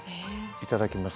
いただきます。